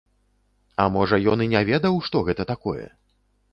А можа, ён і не ведаў, што гэта такое?